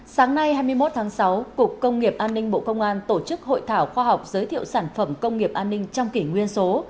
sáng nay hai mươi một tháng sáu cục công nghiệp an ninh bộ công an tổ chức hội thảo khoa học giới thiệu sản phẩm công nghiệp an ninh trong kỷ nguyên số